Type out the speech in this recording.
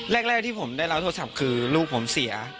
แรกที่ผมได้รับโทรศัพท์คือลูกผมเสีย